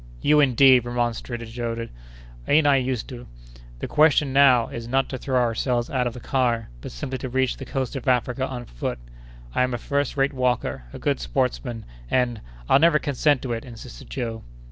"You, indeed!" remonstrated Joe; "ain't I used to—" "The question now is, not to throw ourselves out of the car, but simply to reach the coast of Africa on foot. I am a first rate walker, a good sportsman, and—" "I'll never consent to it!" insisted Joe.